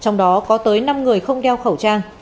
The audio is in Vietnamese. trong đó có tới năm người không đeo khẩu trang